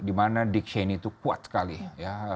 dimana dick cheney itu kuat sekali ya